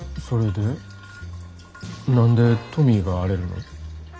それで何でトミーが荒れるの？